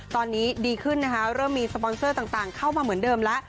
ตอนนี้ดีขึ้นนะคะเริ่มมีสปอนเซอร์ต่างเข้ามาเหมือนเดิมแล้ว